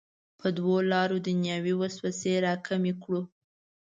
په دوو لارو دنیوي وسوسې راکمې کړو.